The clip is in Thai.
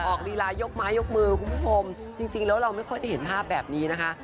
ลีลายกไม้ยกมือคุณผู้ชมจริงแล้วเราไม่ค่อยได้เห็นภาพแบบนี้นะคะ